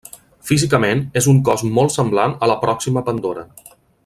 Físicament és un cos molt semblant a la pròxima Pandora.